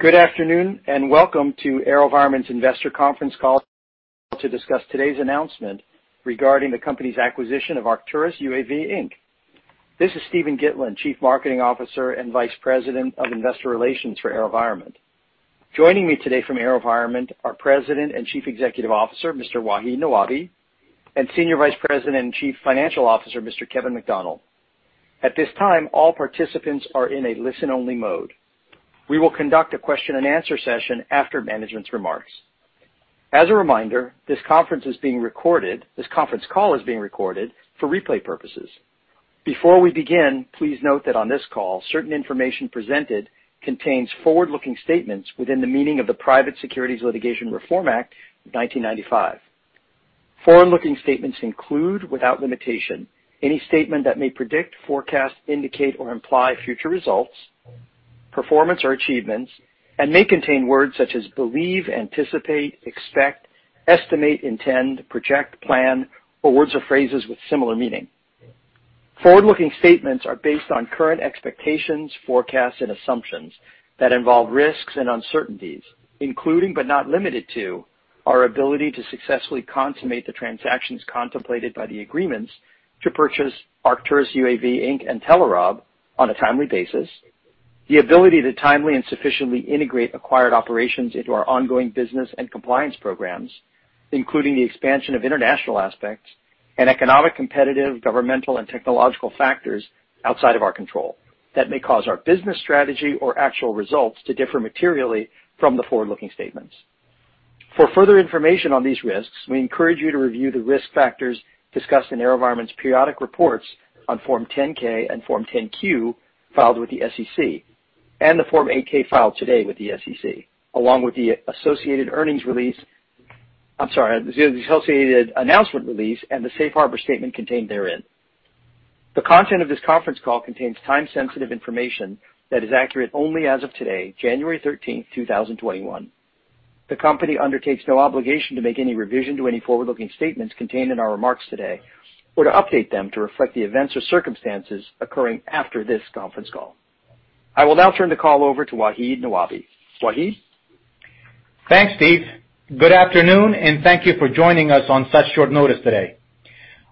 Good afternoon, and welcome to AeroVironment's investor conference call to discuss today's announcement regarding the company's acquisition of Arcturus UAV, Inc. This is Steven Gitlin, chief marketing officer and vice president of investor relations for AeroVironment. Joining me today from AeroVironment are President and Chief Executive Officer, Mr. Wahid Nawabi, and Senior Vice President and chief financial officer, Mr. Kevin McDonnell. At this time, all participants are in a listen-only mode. We will conduct a question-and-answer session after management's remarks. As a reminder, this conference call is being recorded for replay purposes. Before we begin, please note that on this call, certain information presented contains forward-looking statements within the meaning of the Private Securities Litigation Reform Act of 1995. Forward-looking statements include, without limitation, any statement that may predict, forecast, indicate, or imply future results, performance, or achievements, and may contain words such as believe, anticipate, expect, estimate, intend, project, plan, or words or phrases with similar meaning. Forward-looking statements are based on current expectations, forecasts, and assumptions that involve risks and uncertainties, including but not limited to, our ability to successfully consummate the transactions contemplated by the agreements to purchase Arcturus UAV, Inc and Telerob on a timely basis, the ability to timely and sufficiently integrate acquired operations into our ongoing business and compliance programs, including the expansion of international aspects, and economic, competitive, governmental, and technological factors outside of our control that may cause our business strategy or actual results to differ materially from the forward-looking statements. For further information on these risks, we encourage you to review the risk factors discussed in AeroVironment's periodic reports on Form 10-K and Form 10-Q filed with the SEC, and the Form 8-K filed today with the SEC, along with the associated announcement release and the safe harbor statement contained therein. The content of this conference call contains time-sensitive information that is accurate only as of today, January 13, 2021. The company undertakes no obligation to make any revision to any forward-looking statements contained in our remarks today or to update them to reflect the events or circumstances occurring after this conference call. I will now turn the call over to Wahid Nawabi. Wahid? Thanks, Steve. Good afternoon, thank you for joining us on such short notice today.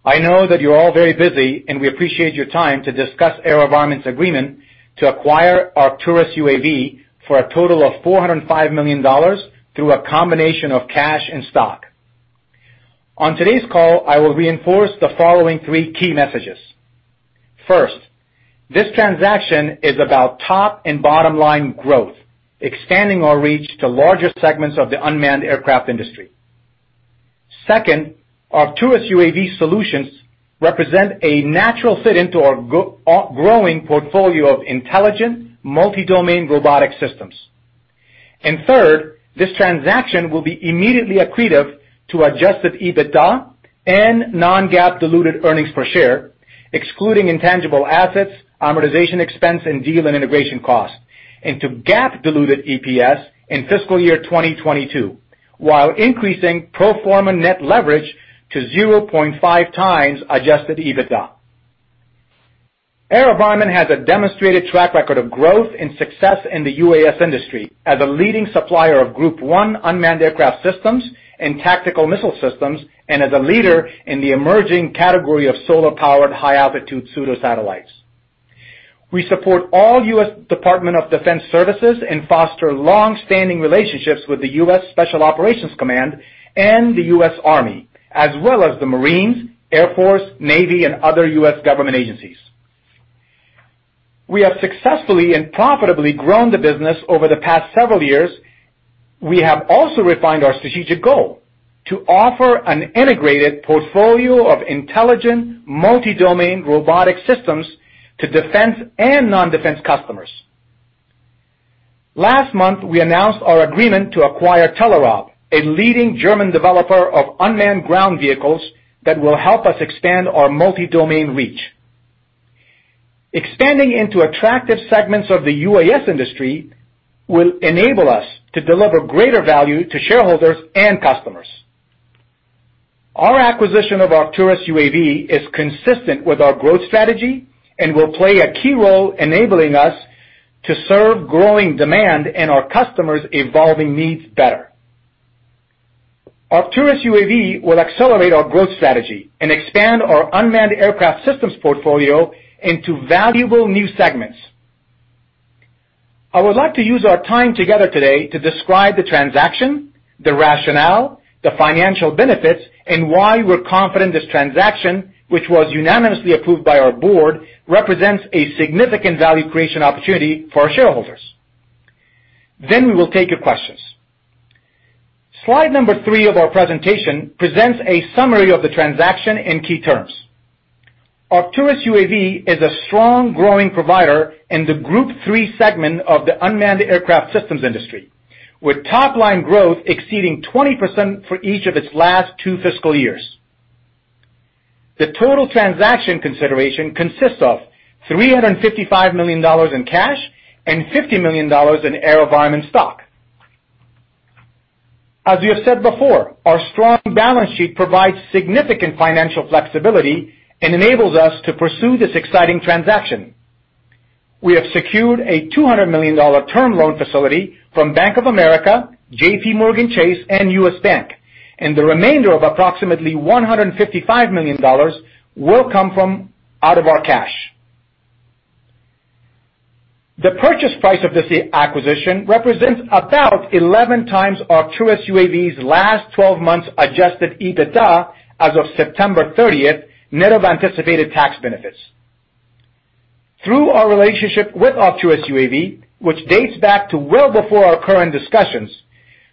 I know that you're all very busy, and we appreciate your time to discuss AeroVironment's agreement to acquire Arcturus UAV for a total of $405 million through a combination of cash and stock. On today's call, I will reinforce the following three key messages. First, this transaction is about top and bottom-line growth, expanding our reach to larger segments of the unmanned aircraft industry. Second, Arcturus UAV solutions represent a natural fit into our growing portfolio of intelligent, multi-domain robotic systems. Third, this transaction will be immediately accretive to adjusted EBITDA and non-GAAP diluted earnings per share, excluding intangible assets, amortization expense, and deal and integration costs and to GAAP diluted EPS in fiscal year 2022, while increasing pro forma net leverage to 0.5x adjusted EBITDA. AeroVironment has a demonstrated track record of growth and success in the UAS industry as a leading supplier of Group 1 unmanned aircraft systems and tactical missile systems, and as a leader in the emerging category of solar-powered, high-altitude pseudo satellites. We support all U.S. Department of Defense services and foster long-standing relationships with the U.S. Special Operations Command and the U.S. Army, as well as the Marines, Air Force, Navy, and other U.S. government agencies. We have successfully and profitably grown the business over the past several years. We have also refined our strategic goal: To offer an integrated portfolio of intelligent, multi-domain robotic systems to defense and non-defense customers. Last month, we announced our agreement to acquire Telerob, a leading German developer of unmanned ground vehicles that will help us expand our multi-domain reach. Expanding into attractive segments of the UAS industry will enable us to deliver greater value to shareholders and customers. Our acquisition of Arcturus UAV is consistent with our growth strategy and will play a key role enabling us to serve growing demand and our customers' evolving needs better. Arcturus UAV will accelerate our growth strategy and expand our unmanned aircraft systems portfolio into valuable new segments. I would like to use our time together today to describe the transaction, the rationale, the financial benefits, and why we're confident this transaction, which was unanimously approved by our board, represents a significant value creation opportunity for our shareholders. We will take your questions. Slide number three of our presentation presents a summary of the transaction in key terms. Arcturus UAV is a strong, growing provider in the Group 3 segment of the unmanned aircraft systems industry, with top-line growth exceeding 20% for each of its last two fiscal years. The total transaction consideration consists of $355 million in cash and $50 million in AeroVironment stock. As we have said before, our strong balance sheet provides significant financial flexibility and enables us to pursue this exciting transaction. We have secured a $200 million term loan facility from Bank of America, JPMorgan Chase, and U.S. Bank, and the remainder of approximately $155 million will come from out of our cash. The purchase price of this acquisition represents about 11x Arcturus UAV's last 12 months adjusted EBITDA as of September 30th, net of anticipated tax benefits. Through our relationship with Arcturus UAV, which dates back to well before our current discussions,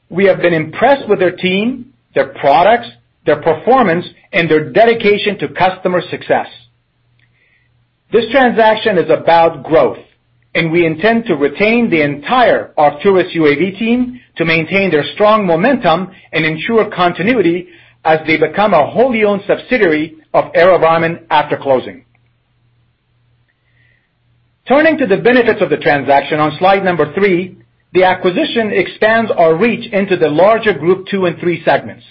we have been impressed with their team, their products, their performance, and their dedication to customer success. We intend to retain the entire Arcturus UAV team to maintain their strong momentum and ensure continuity as they become a wholly owned subsidiary of AeroVironment after closing. Turning to the benefits of the transaction on slide number three, the acquisition expands our reach into the larger Group 2 and 3 segments.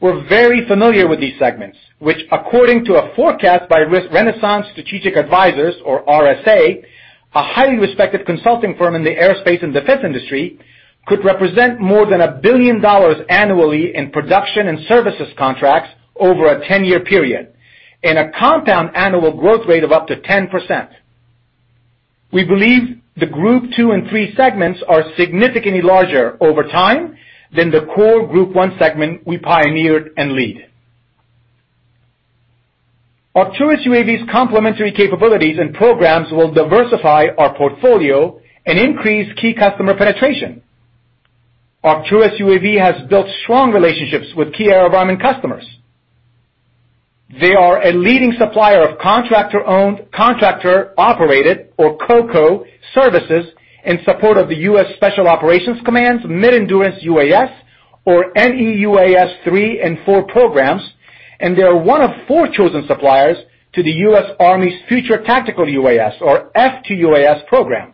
We are very familiar with these segments, which according to a forecast by Renaissance Strategic Advisors, or RSA, a highly respected consulting firm in the aerospace and defense industry, could represent more than $1 billion annually in production and services contracts over a 10-year period and a compound annual growth rate of up to 10%. We believe the Group 2 and 3 segments are significantly larger over time than the core Group 1 segment we pioneered and lead. Arcturus UAV's complementary capabilities and programs will diversify our portfolio and increase key customer penetration. Arcturus UAV has built strong relationships with key AeroVironment customers. They are a leading supplier of contractor-owned, contractor-operated, or COCO, services in support of the U.S. Special Operations Command's Mid-Endurance UAS or MEUAS III and IV programs, and they are one of four chosen suppliers to the U.S. Army's Future Tactical UAS or FTUAS program.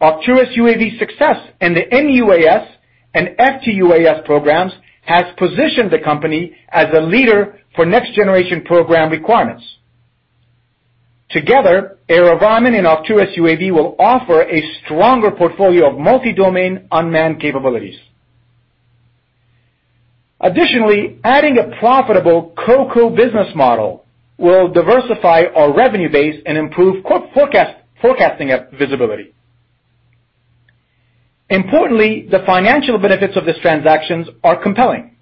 Arcturus UAV's success in the MEUAS and FTUAS programs has positioned the company as a leader for next-generation program requirements. Together, AeroVironment and Arcturus UAV will offer a stronger portfolio of multi-domain unmanned capabilities. Additionally, adding a profitable COCO business model will diversify our revenue base and improve forecasting visibility. Importantly, the financial benefits of this transactions are compelling.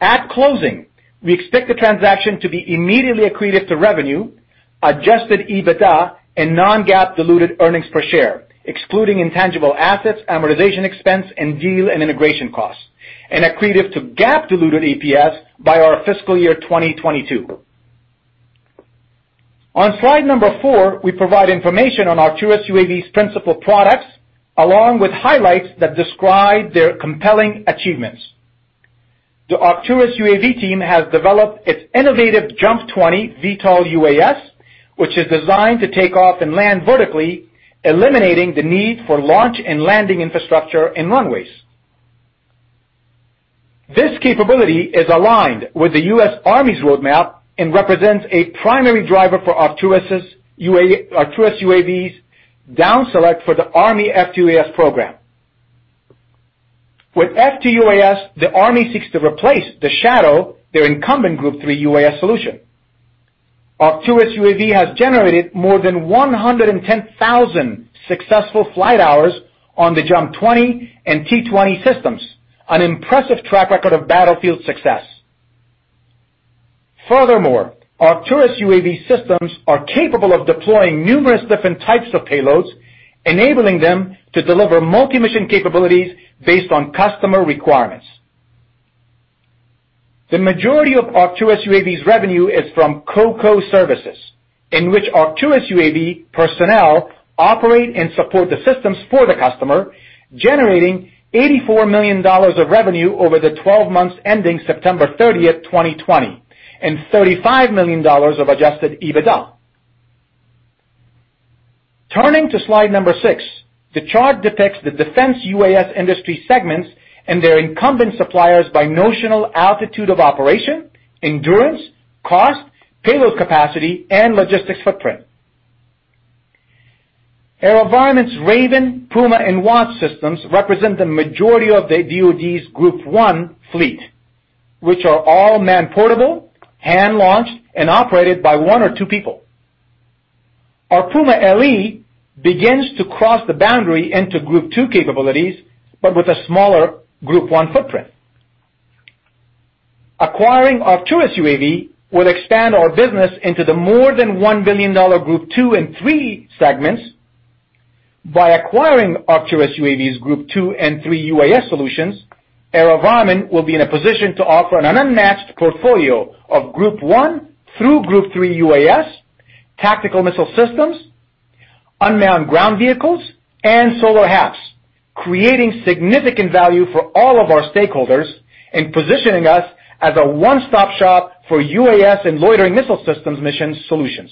At closing, we expect the transaction to be immediately accretive to revenue, adjusted EBITDA, and non-GAAP diluted earnings per share, excluding intangible assets, amortization expense, and deal and integration costs, and accretive to GAAP-diluted EPS by our fiscal year 2022. On slide number four, we provide information on Arcturus UAV's principal products, along with highlights that describe their compelling achievements. The Arcturus UAV team has developed its innovative JUMP 20 VTOL UAS, which is designed to take off and land vertically, eliminating the need for launch and landing infrastructure and runways. This capability is aligned with the U.S. Army's roadmap and represents a primary driver for Arcturus UAV's down select for the Army FTUAS program. With FTUAS, the Army seeks to replace the Shadow, their incumbent Group 3 UAS solution. Arcturus UAV has generated more than 110,000 successful flight hours on the JUMP 20 and T-20 systems, an impressive track record of battlefield success. Furthermore, Arcturus UAV systems are capable of deploying numerous different types of payloads, enabling them to deliver multi-mission capabilities based on customer requirements. The majority of Arcturus UAV's revenue is from COCO services, in which Arcturus UAV personnel operate and support the systems for the customer, generating $84 million of revenue over the 12 months ending September 30th, 2020, and $35 million of adjusted EBITDA. Turning to slide number six, the chart depicts the defense UAS industry segments and their incumbent suppliers by notional altitude of operation, endurance, cost, payload capacity, and logistics footprint. AeroVironment's Raven, Puma, and Wasp systems represent the majority of the DoD's Group 1 fleet, which are all man-portable, hand-launched, and operated by one or two people. Our Puma LE begins to cross the boundary into Group 2 capabilities, but with a smaller Group 1 footprint. Acquiring Arcturus UAV would expand our business into the more than $1 billion Group 2 and 3 segments. By acquiring Arcturus UAV's Group 2 and 3 UAS solutions, AeroVironment will be in a position to offer an unmatched portfolio of Group 1 through Group 3 UAS, tactical missile systems, unmanned ground vehicles, and solar HAPS, creating significant value for all of our stakeholders and positioning us as a one-stop shop for UAS and loitering missile systems mission solutions.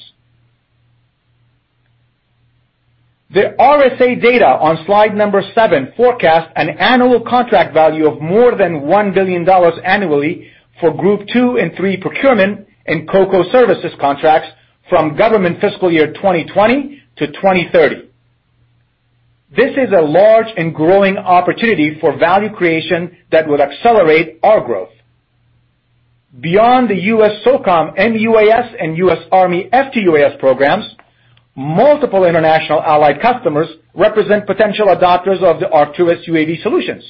The RSA data on slide number seven forecast an annual contract value of more than $1 billion annually for Group 2 and 3 procurement and COCO services contracts from government fiscal year 2020-2030. This is a large and growing opportunity for value creation that will accelerate our growth. Beyond the U.S. SOCOM MEUAS and U.S. Army FTUAS programs, multiple international allied customers represent potential adopters of the Arcturus UAV solutions.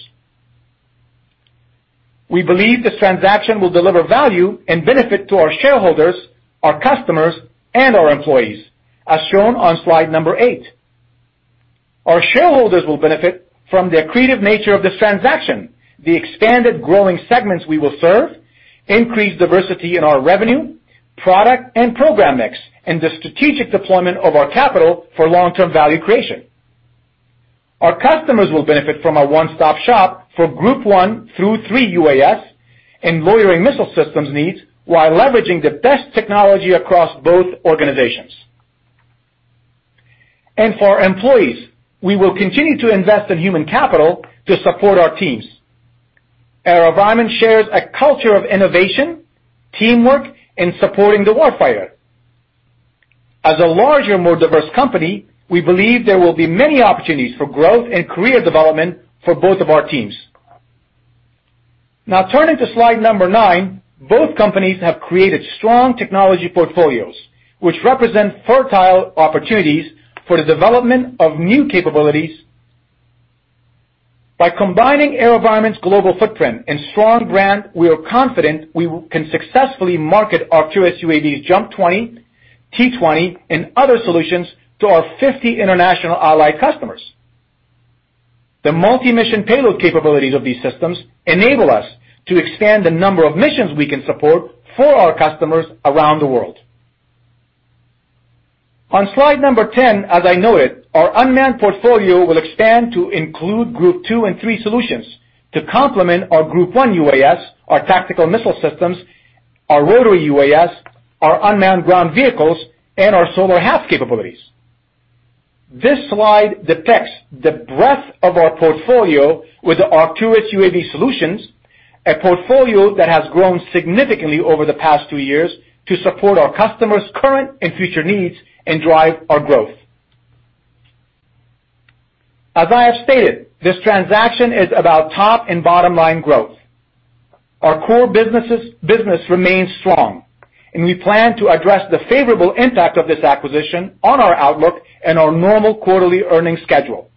We believe this transaction will deliver value and benefit to our shareholders, our customers, and our employees, as shown on slide number eight. Our shareholders will benefit from the accretive nature of this transaction, the expanded growing segments we will serve, increased diversity in our revenue, product, and program mix, and the strategic deployment of our capital for long-term value creation. Our customers will benefit from our one-stop shop for Group 1 through 3 UAS and loitering missile systems needs while leveraging the best technology across both organizations. For our employees, we will continue to invest in human capital to support our teams. AeroVironment shares a culture of innovation, teamwork, and supporting the war fighter. As a larger, more diverse company, we believe there will be many opportunities for growth and career development for both of our teams. Now, turning to slide number nine, both companies have created strong technology portfolios, which represent fertile opportunities for the development of new capabilities. By combining AeroVironment's global footprint and strong brand, we are confident we can successfully market Arcturus UAV's JUMP 20, T-20, and other solutions to our 50 international allied customers. The multi-mission payload capabilities of these systems enable us to expand the number of missions we can support for our customers around the world. On slide number 10, as I noted, our unmanned portfolio will expand to include group 2 and 3 solutions to complement our Group 1 UAS, our tactical missile systems, our rotary UAS, our unmanned ground vehicles, and our solar HAPS capabilities. This slide depicts the breadth of our portfolio with the Arcturus UAV solutions, a portfolio that has grown significantly over the past two years to support our customers' current and future needs and drive our growth. As I have stated, this transaction is about top and bottom-line growth. Our core business remains strong, and we plan to address the favorable impact of this acquisition on our outlook and our normal quarterly earnings schedule.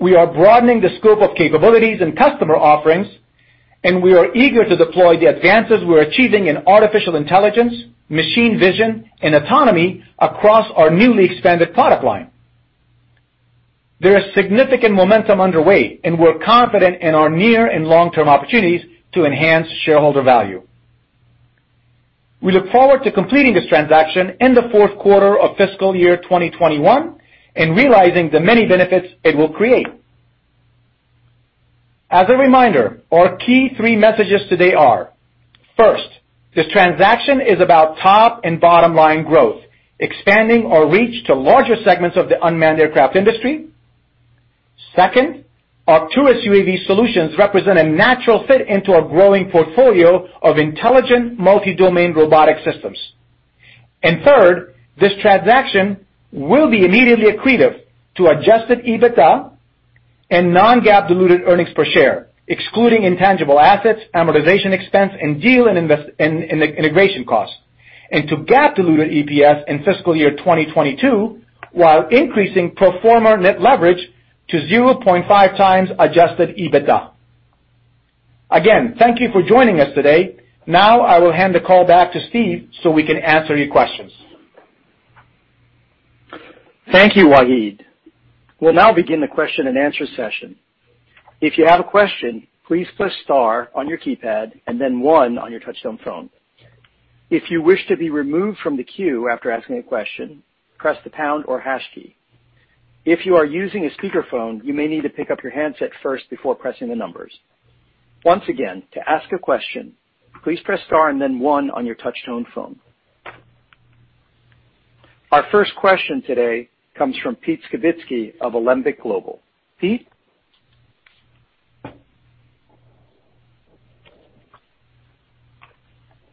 We are broadening the scope of capabilities and customer offerings, and we are eager to deploy the advances we're achieving in artificial intelligence, machine vision, and autonomy across our newly expanded product line. There is significant momentum underway, and we're confident in our near and long-term opportunities to enhance shareholder value. We look forward to completing this transaction in the fourth quarter of fiscal year 2021 and realizing the many benefits it will create. As a reminder, our key three messages today are: First, this transaction is about top and bottom-line growth, expanding our reach to larger segments of the unmanned aircraft industry. Second, Arcturus UAV solutions represent a natural fit into our growing portfolio of intelligent multi-domain robotic systems. Third, this transaction will be immediately accretive to adjusted EBITDA and non-GAAP diluted earnings per share, excluding intangible assets, amortization expense, and deal and integration costs, and to GAAP diluted EPS in fiscal year 2022, while increasing pro forma net leverage to 0.5x adjusted EBITDA. Again, thank you for joining us today. Now, I will hand the call back to Steve so we can answer your questions. Thank you, Wahid. We'll now begin the question-and-answer session. If you have a question please press star on your keypad and then one on your touch-tone phone. If you wish to be removed from the queue after asking a question, press pound or hash key. If you are using a speaker phone, you may need to pickup your handset first before pressing a number. Once again, to ask your question, please press star and then one on your touch-tone phone. Our first question today comes from Pete Skibitski of Alembic Global. Pete?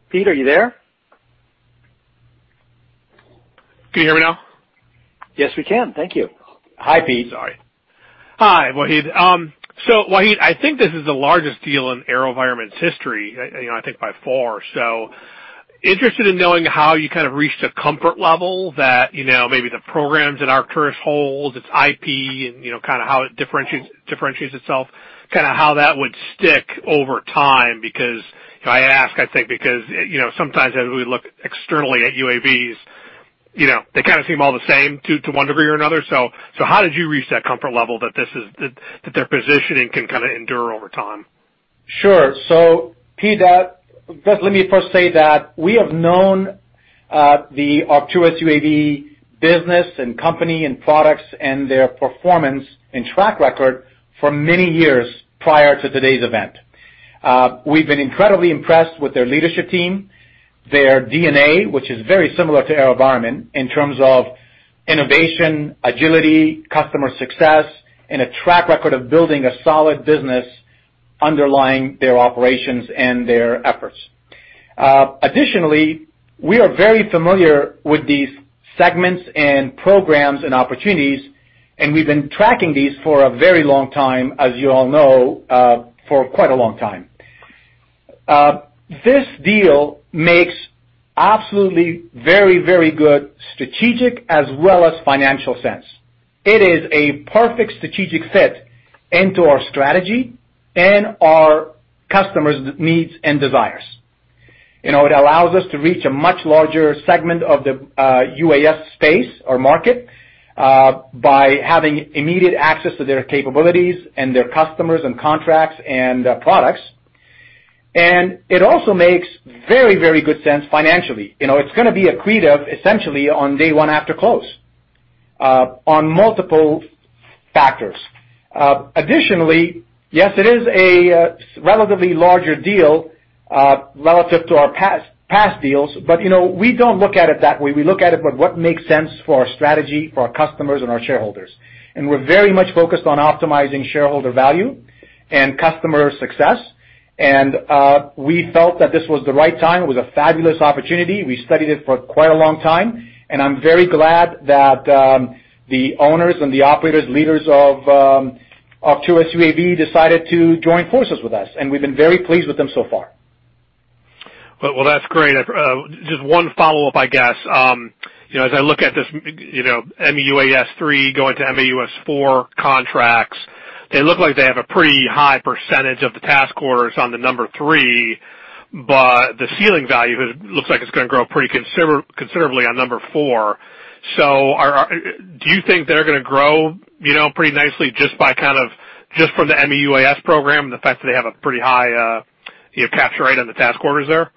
Pete, are you there? Can you hear me now? Yes, we can. Thank you. Hi, Pete. Sorry. Hi, Wahid. Wahid, I think this is the largest deal in AeroVironment's history, I think by far. I'm interested in knowing how you kind of reached a comfort level that maybe the programs that Arcturus holds, its IP, and kind of how it differentiates itself, kind of how that would stick over time. I ask, I think, because sometimes as we look externally at UAVs, they kind of seem all the same to one degree or another. How did you reach that comfort level that their positioning can kind of endure over time? Sure. Pete, let me first say that we have known the Arcturus UAV business and company and products and their performance and track record for many years prior to today's event. We've been incredibly impressed with their leadership team, their DNA, which is very similar to AeroVironment in terms of innovation, agility, customer success, and a track record of building a solid business underlying their operations and their efforts. Additionally, we are very familiar with these segments and programs and opportunities, and we've been tracking these for a very long time, as you all know, for quite a long time. This deal makes absolutely very, very good strategic as well as financial sense. It is a perfect strategic fit into our strategy and our customers' needs and desires. It allows us to reach a much larger segment of the UAS space or market by having immediate access to their capabilities and their customers and contracts and products. It also makes very good sense financially. It's going to be accretive essentially on day one after close on multiple factors. Additionally, yes, it is a relatively larger deal relative to our past deals, but we don't look at it that way. We look at it by what makes sense for our strategy, for our customers, and our shareholders. We're very much focused on optimizing shareholder value and customer success. We felt that this was the right time. It was a fabulous opportunity. We studied it for quite a long time, and I'm very glad that the owners and the operators, leaders of Arcturus UAV decided to join forces with us, and we've been very pleased with them so far. Well, that's great. Just one follow-up, I guess. As I look at this MEUAS III going to MEUAS IV contracts, they look like they have a pretty high percentage of the task orders on the number three, but the ceiling value looks like it's going to grow pretty considerably on number four. Do you think they're going to grow pretty nicely just from the MEUAS program, the fact that they have a pretty high capture rate on the task orders there?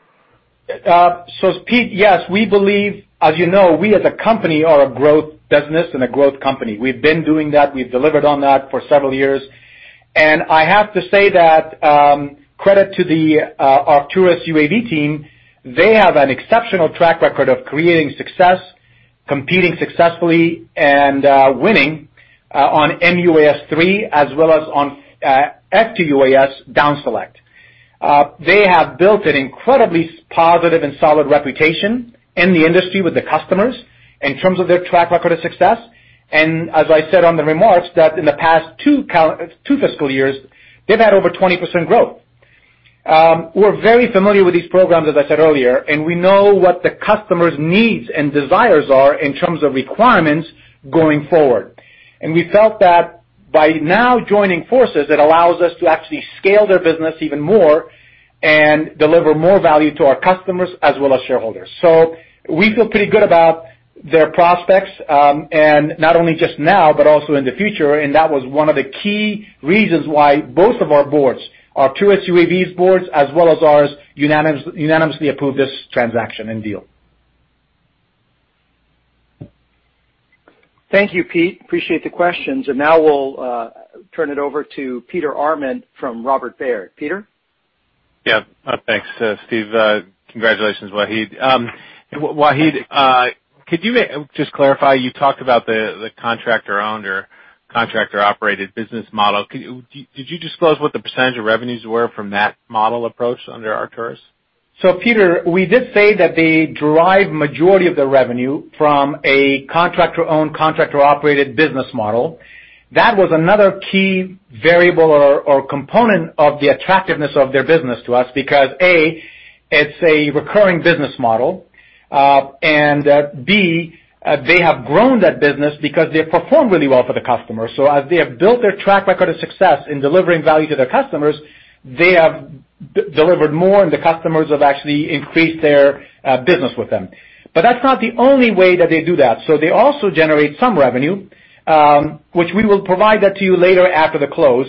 Pete, yes. We believe, as you know, we as a company are a growth business and a growth company. We've been doing that. We've delivered on that for several years. I have to say that credit to the Arcturus UAV team, they have an exceptional track record of creating success, competing successfully, and winning on MEUAS III as well as on FTUAS down select. They have built an incredibly positive and solid reputation in the industry with the customers in terms of their track record of success. As I said on the remarks, that in the past two fiscal years, they've had over 20% growth. We're very familiar with these programs, as I said earlier, and we know what the customer's needs and desires are in terms of requirements going forward. We felt that by now joining forces, it allows us to actually scale their business even more and deliver more value to our customers as well as shareholders. We feel pretty good about their prospects, and not only just now, but also in the future. That was one of the key reasons why both of our boards, Arcturus UAV's boards as well as ours, unanimously approved this transaction and deal. Thank you, Pete. Appreciate the questions. Now we'll turn it over to Peter Arment from Robert Baird. Peter? Thanks, Steve. Congratulations, Wahid. Wahid, could you just clarify, you talked about the contractor-owned or contractor-operated business model. Did you disclose what the percentage of revenues were from that model approach under Arcturus? Peter, we did say that they derive majority of their revenue from a contractor-owned, contractor-operated business model. That was another key variable or component of the attractiveness of their business to us because, A, it's a recurring business model, and B, they have grown that business because they've performed really well for the customer. As they have built their track record of success in delivering value to their customers, they have delivered more, and the customers have actually increased their business with them. That's not the only way that they do that. They also generate some revenue, which we will provide that to you later after the close.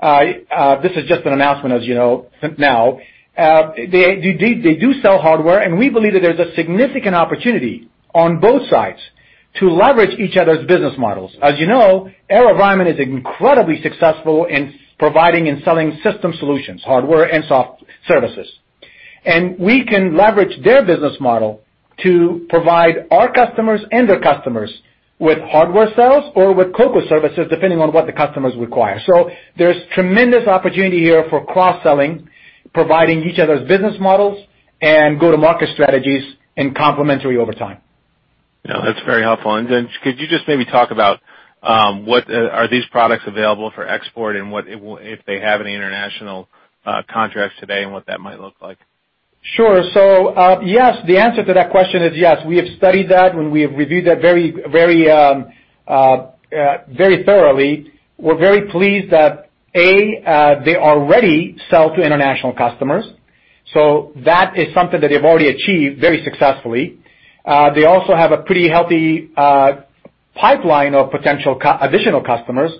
This is just an announcement, as you know, now. They do sell hardware, and we believe that there's a significant opportunity on both sides to leverage each other's business models. As you know, AeroVironment is incredibly successful in providing and selling system solutions, hardware and software services. We can leverage their business model to provide our customers and their customers with hardware sales or with COCO services, depending on what the customers require. There's tremendous opportunity here for cross-selling, providing each other's business models and go-to-market strategies and complementary over time. No, that's very helpful. Could you just maybe talk about are these products available for export and if they have any international contracts today and what that might look like? Sure. Yes, the answer to that question is yes. We have studied that, and we have reviewed that very thoroughly. We're very pleased that A, they already sell to international customers. That is something that they've already achieved very successfully. They also have a pretty healthy pipeline of potential additional customers.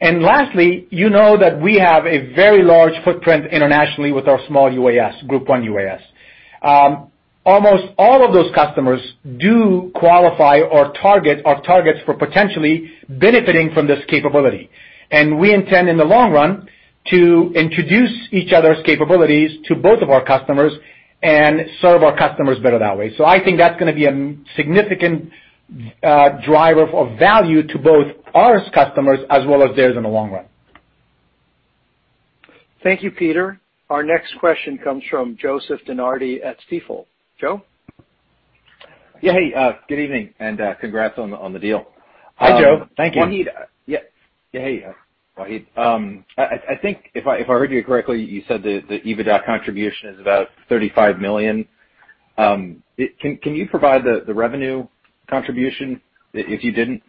Lastly, you know that we have a very large footprint internationally with our small UAS, Group 1 UAS. Almost all of those customers do qualify or are targets for potentially benefiting from this capability. We intend, in the long run, to introduce each other's capabilities to both of our customers and serve our customers better that way. I think that's going to be a significant driver of value to both our customers as well as theirs in the long run. Thank you, Peter. Our next question comes from Joseph DeNardi at Stifel. Joe? Yeah. Hey, good evening, and congrats on the deal. Hi, Joe. Thank you. Wahid. Yeah. Hey, Wahid. I think if I heard you correctly, you said the EBITDA contribution is about $35 million. Can you provide the revenue contribution if you didn't?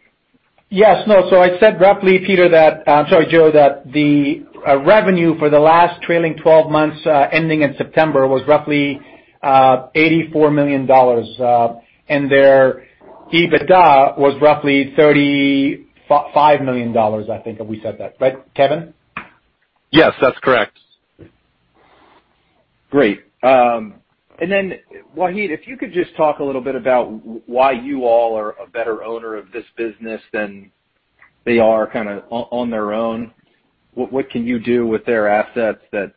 Yes. No. I said roughly, Joe, that the revenue for the last trailing 12 months ending in September was roughly $84 million, and their EBITDA was roughly $35 million, I think that we said that. Right, Kevin? Yes, that's correct. Great. Then Wahid, if you could just talk a little bit about why you all are a better owner of this business than they are kind of on their own. What can you do with their assets that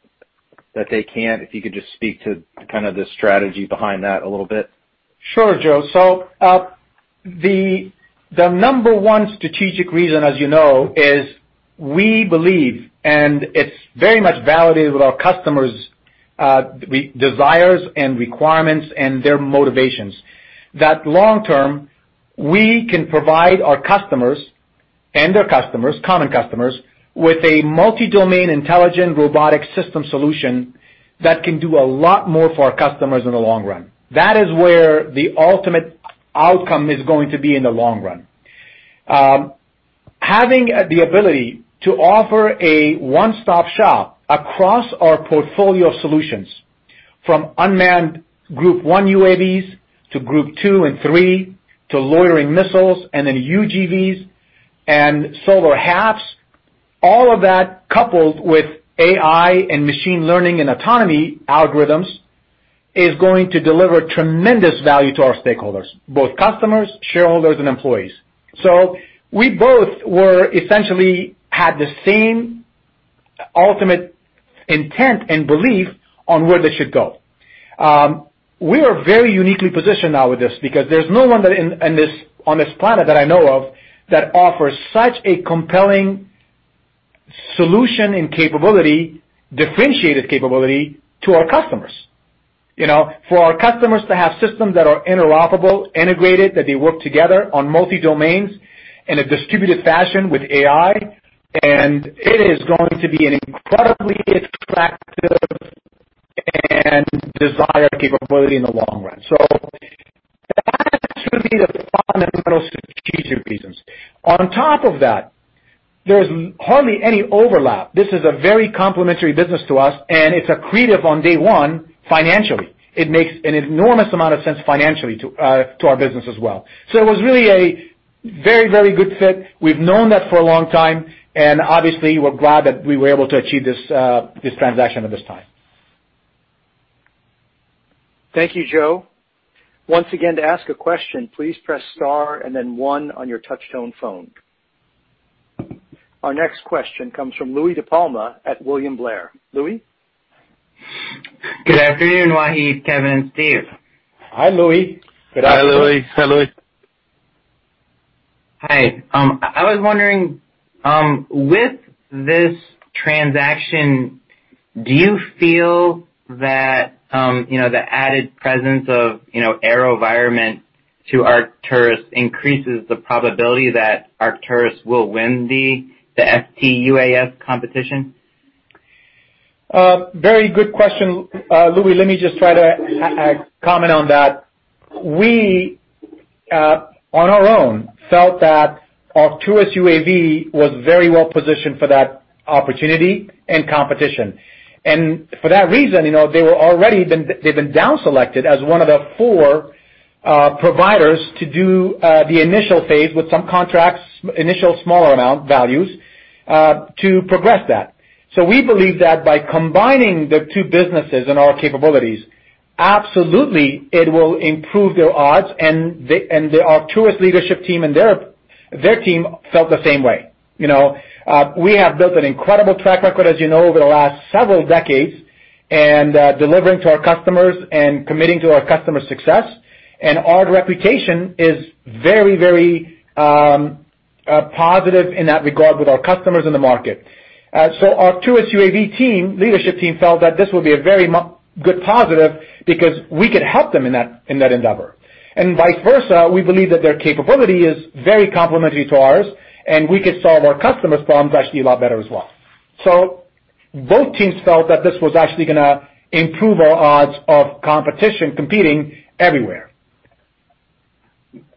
they can't? If you could just speak to kind of the strategy behind that a little bit. Sure, Joe. The number one strategic reason, as you know, is we believe, and it's very much validated with our customers' desires and requirements and their motivations, that long term, we can provide our customers and their customers, common customers, with a multi-domain intelligent robotic system solution that can do a lot more for our customers in the long run. That is where the ultimate outcome is going to be in the long run. Having the ability to offer a one-stop shop across our portfolio of solutions from unmanned Group 1 UAVs to Group 2 and 3, to loitering missiles and then UGVs and solar HAPS, all of that coupled with AI and machine learning and autonomy algorithms, is going to deliver tremendous value to our stakeholders, both customers, shareholders, and employees. We both essentially had the same ultimate intent and belief on where they should go. We are very uniquely positioned now with this because there's no one on this planet that I know of that offers such a compelling solution and differentiated capability to our customers. For our customers to have systems that are interoperable, integrated, that they work together on multi-domains in a distributed fashion with AI, it is going to be an incredibly attractive and desired capability in the long run. That should be the fundamental strategic reasons. On top of that, there's hardly any overlap. This is a very complementary business to us, and it's accretive on day one financially. It makes an enormous amount of sense financially to our business as well. It was really a very good fit. We've known that for a long time, and obviously, we're glad that we were able to achieve this transaction at this time. Thank you, Joe. Once again, to ask a question, please press star and then one on your touch-tone phone. Our next question comes from Louie DiPalma at William Blair. Louie? Good afternoon, Wahid, Kevin, Steve. Hi, Louie. Good afternoon. Hi, Louie. Hi. I was wondering, with this transaction, do you feel that the added presence of AeroVironment to Arcturus increases the probability that Arcturus will win the FTUAS competition? Very good question, Louie. Let me just try to comment on that. We, on our own, felt that Arcturus UAV was very well-positioned for that opportunity and competition. For that reason, they've been down-selected as one of the four providers to do the initial phase with some contracts, initial smaller amount values, to progress that. We believe that by combining the two businesses and our capabilities, absolutely it will improve their odds, and the Arcturus leadership team and their team felt the same way. We have built an incredible track record, as you know, over the last several decades, and delivering to our customers and committing to our customers' success. Our reputation is very positive in that regard with our customers in the market. Arcturus UAV leadership team felt that this would be a very good positive because we could help them in that endeavor. Vice versa, we believe that their capability is very complementary to ours, and we could solve our customers' problems actually a lot better as well. Both teams felt that this was actually going to improve our odds of competition, competing everywhere.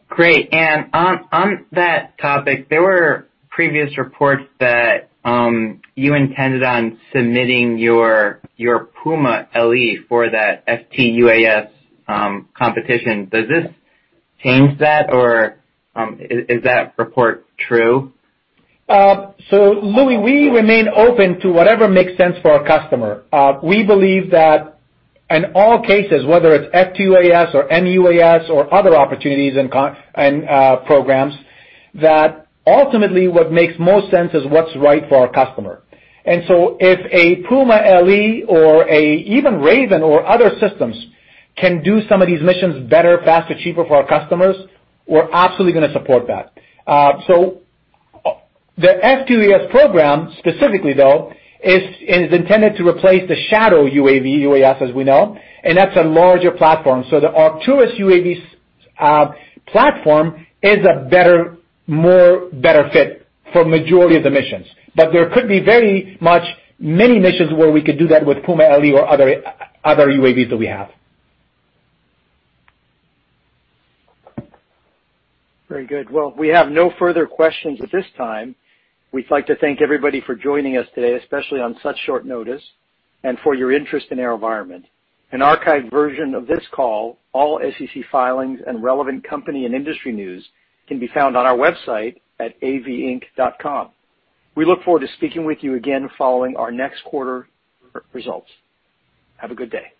Great. On that topic, there were previous reports that you intended on submitting your Puma LE for that FTUAS competition. Does this change that, or is that report true? Louie, we remain open to whatever makes sense for our customer. We believe that in all cases, whether it's FTUAS or MEUAS or other opportunities and programs, that ultimately what makes most sense is what's right for our customer. If a Puma LE or even Raven or other systems can do some of these missions better, faster, cheaper for our customers, we're absolutely going to support that. The FTUAS program, specifically though, is intended to replace the Shadow UAV, UAS, as we know, and that's a larger platform. The Arcturus UAV's platform is a more better fit for majority of the missions. There could be very much many missions where we could do that with Puma LE or other UAVs that we have. Very good. Well, we have no further questions at this time. We'd like to thank everybody for joining us today, especially on such short notice, and for your interest in AeroVironment. An archived version of this call, all SEC filings and relevant company and industry news can be found on our website at avinc.com. We look forward to speaking with you again following our next quarter results. Have a good day.